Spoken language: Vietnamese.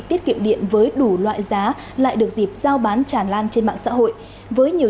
tiết kiệm điện với đủ loại giá lại được dịp giao bán tràn lan trên mạng xã hội với nhiều